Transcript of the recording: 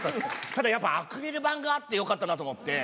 ただやっぱ、アクリル板があってよかったなと思って。